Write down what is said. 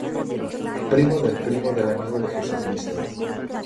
Primo del primo del amigo de Jesucristo.